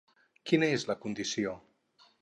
Quina és la condició?